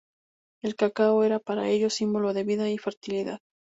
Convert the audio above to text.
El cacao era para ellos símbolo de vida y fertilidad.